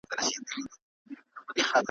په سل ګونو یې وه کړي سفرونه `